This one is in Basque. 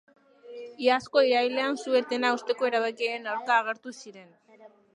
Iazko irailean, su-etena hausteko erabakiaren aurka agertu ziren.